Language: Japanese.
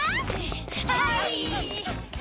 はい！